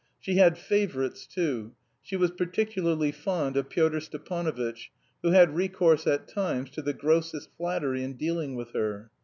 She had favourites too; she was particularly fond of Pyotr Stepanovitch, who had recourse at times to the grossest flattery in dealing with her.